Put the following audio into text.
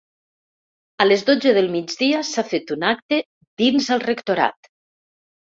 A les dotze del migdia s’ha fet un acte dins el rectorat.